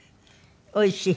おいしい？